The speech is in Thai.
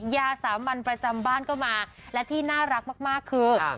ยาสามัญประจำบ้านก็มาและที่น่ารักมากคือ